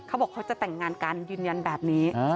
เขาบอกเขาจะแต่งงานกัน